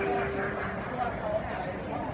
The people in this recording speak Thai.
มันเป็นสิ่งที่จะให้ทุกคนรู้สึกว่า